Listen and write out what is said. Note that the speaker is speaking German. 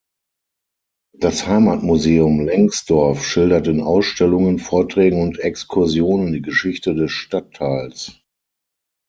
Das "Heimatmuseum Lengsdorf" schildert in Ausstellungen, Vorträgen und Exkursionen die Geschichte des Stadtteils.